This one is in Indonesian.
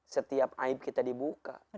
setiap aib kita dibuka